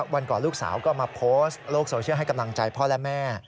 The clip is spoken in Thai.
วันก่อนลูกสาวก็มาโพสต์โลกโซเชียลให้กำลังใจพ่อและแม่